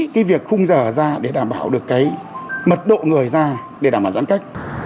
cái việc khung giờ ra để đảm bảo được cái mật độ người ra để đảm bảo giãn cách